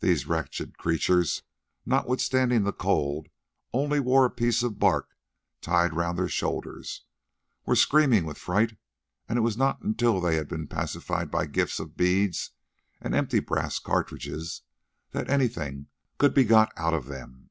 These wretched creatures, who notwithstanding the cold only wore a piece of bark tied round their shoulders, were screaming with fright, and it was not until they had been pacified by gifts of beads and empty brass cartridges that anything could be got out of them.